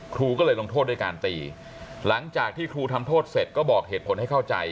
ครูก็เลยลงโทษด้วยการตีหลังจากที่ครูทำโทษเสร็จก็บอกเหตุผลให้เข้าใจ